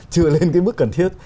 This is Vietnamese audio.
chưa lên cái bước cần thiết